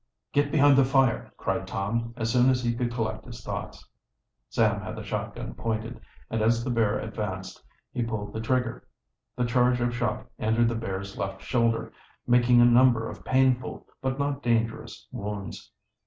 "Get behind the fire!" cried Tom, as soon as he could collect his thoughts. Sam had the shotgun pointed, and as the bear advanced he pulled the trigger. The charge of shot entered the bear's left shoulder, making a number of painful, but not dangerous, wounds.